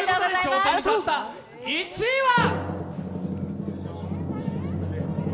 １位は？